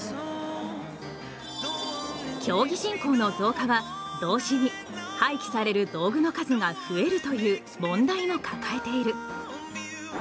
競技人口の増加は同時に廃棄される道具の数が増えるという問題も抱えている。